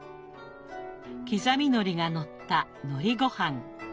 刻みのりがのったのりごはん。